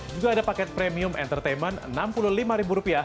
juga ada paket premium entertainment rp enam puluh lima